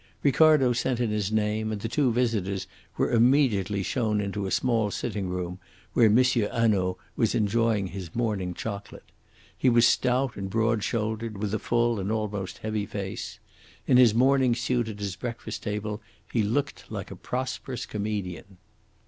Ricardo sent in his name, and the two visitors were immediately shown into a small sitting room, where M. Hanaud was enjoying his morning chocolate. He was stout and broad shouldered, with a full and almost heavy face. In his morning suit at his breakfast table he looked like a prosperous comedian.